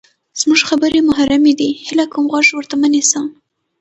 زمونږ خبرې محرمې دي، هیله کوم غوږ ورته مه نیسه!